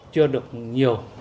chưa được nhiều